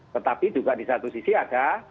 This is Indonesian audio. tetapi juga di satu sisi ada